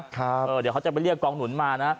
เดี๋ยวเขาจะไปเรียกกองหนุนมานะ